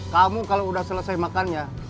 kamu kalau sudah selesai makannya